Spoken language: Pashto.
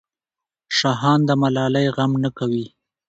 شاهان د ملالۍ غم نه کوي.